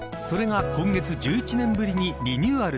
母子手帳が１１年ぶりにリニューアル。